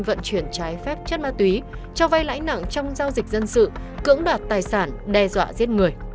vận chuyển trái phép chất ma túy cho vay lãi nặng trong giao dịch dân sự cưỡng đoạt tài sản đe dọa giết người